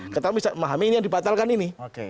kita bisa memahami ini yang dibatalkan ini